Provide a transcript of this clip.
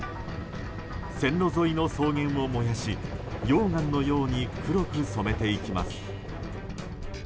線路沿いの草原を燃やし溶岩のように黒く染めていきます。